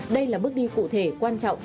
đây là bước đi cụ thể quan trọng